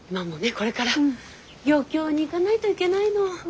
これから漁協に行かないといけないの。